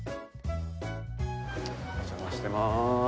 お邪魔してます。